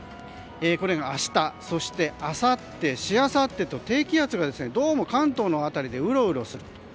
明日、そしてあさってしあさってと低気圧がどうも関東の辺りでうろうろすると。